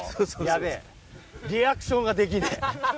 ヤベェリアクションができねえ。